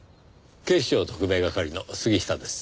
警視庁特命係の杉下です。